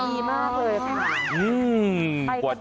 ดีมากเลยค่ะ